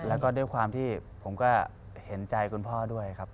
แล้วก็ด้วยความที่ผมก็เห็นใจคุณพ่อด้วยครับ